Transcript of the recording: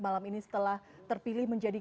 malam ini setelah terpilih menjadi